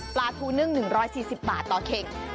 ปลาทูนึ่ง๑๔๐บาทต่อกิโลกรัม